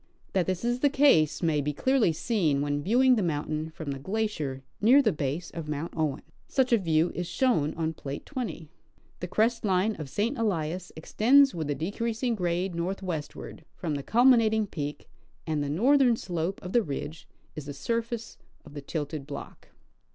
That this is the case may be clearly seen when viewing the mountain from the glacier near the base of Mount Owen. Such a view is shown on plate 20. The crest line of St. Elias extends with a decreasing grade northwestward from the culminating peak, and the northern slojje of the ridge is the sur face of the tilted block.